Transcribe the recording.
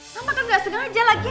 mama kan gak suka aja lagi